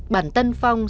bản tân phong